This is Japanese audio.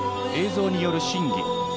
映像による審議。